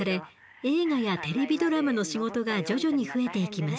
映画やテレビドラマの仕事が徐々に増えていきます。